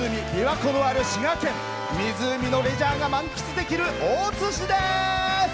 湖のレジャーが満喫できる大津市です。